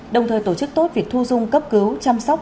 đồng thời tổ chức tốt việc thu dung cấp cứu chăm sóc